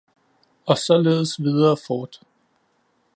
og således videre fort.